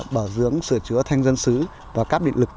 bảo dưỡng sửa chữa thanh dân sứ và cắp điện lực